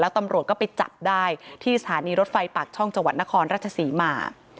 ตำรวจก็ไปจับได้ที่สถานีรถไฟปากช่องจังหวัดนครราชศรีมา